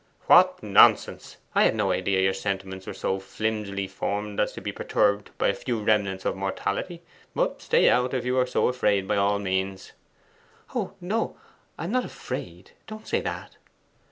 'What nonsense! I had no idea your sentiments were so flimsily formed as to be perturbed by a few remnants of mortality; but stay out, if you are so afraid, by all means.' 'Oh no, I am not afraid; don't say that.